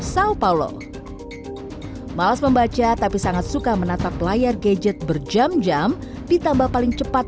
sau paulo malas membaca tapi sangat suka menatap layar gadget berjam jam ditambah paling cepat